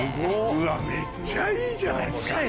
うわめっちゃいいじゃないですか。